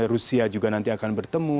rusia juga nanti akan bertemu